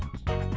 trộm ch nó